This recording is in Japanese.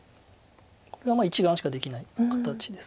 これは１眼しかできない形です。